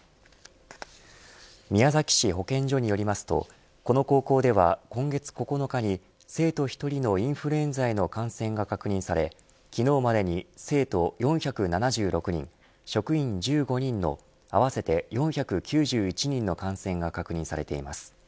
宮崎市保健所によりますとこの高校では今月９日に生徒１人のインフルエンザへの感染が確認され昨日までに生徒４７６人職員１５人の合わせて４９１人の感染が確認されています。